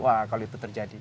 wah kalau itu terjadi